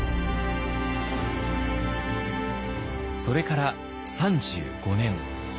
それから３５年。